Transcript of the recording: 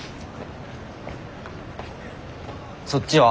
そっちは？